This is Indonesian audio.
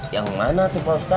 yang mana tuh pak ustadz